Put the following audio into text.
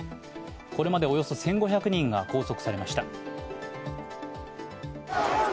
これまでおよそ１５００人が拘束されました。